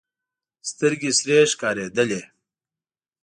سترګې سرې ښکارېدلې.